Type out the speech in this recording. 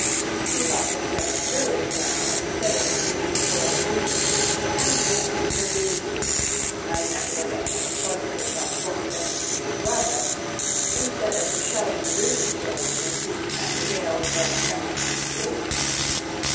He talked of Greenwich Village now instead of "noon swirled moons," and met winter muses, unacademic, and cloistered by Forty second Street and Broadway, instead of the Shelleyan dream children with whom he had regaled their expectant appreciation.